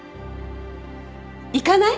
行かない？